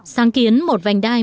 sáng kiến một vành đai